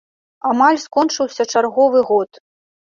Амаль скончыўся чарговы год.